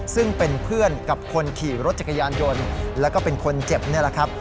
ซึ่งเป็นเพื่อนกับคนขี่รถจักรยานยนต์แล้วก็เป็นคนเจ็บนี่แหละครับ